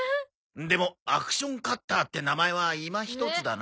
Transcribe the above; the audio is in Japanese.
でも「アクションカッター」って名前はいまひとつだなあ。